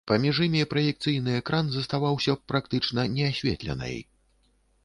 Паміж імі праекцыйны экран заставаўся б практычна неасветленай.